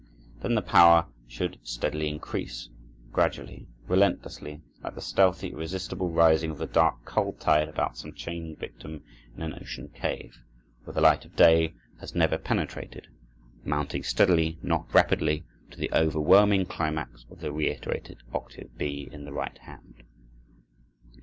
Then the power should steadily increase—gradually, relentlessly, like the stealthy, irresistible rising of the dark cold tide about some chained victim in an ocean cave, where the light of day has never penetrated; mounting steadily—not rapidly—to the overwhelming climax of the reiterated octave B in the right hand.